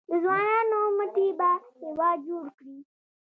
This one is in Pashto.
د ځوانانو مټې به هیواد جوړ کړي؟